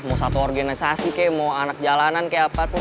mau satu organisasi kek mau anak jalanan kek apapun